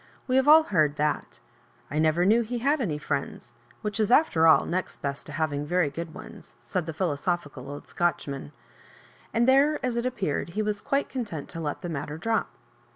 We have all heard thai I never knew he had any friends; which is, after all, next best to having very good one8»" said the philosophi<»l old Sootcl^ man; and there, as it appeared, he was quite content to let the matter drop.